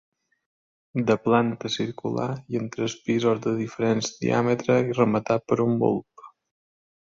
De planta circular i amb tres pisos de diferent diàmetre i rematat per un bulb.